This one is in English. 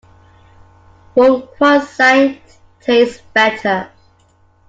Warm Croissant tastes better.